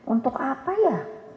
untuk apa ya